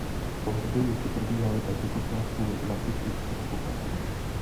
Pohřby zde probíhaly až do počátku nacistické okupace.